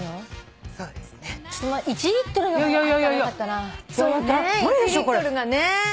１リットルがね。